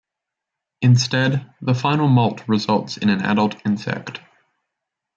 Instead, the final moult results in an adult insect.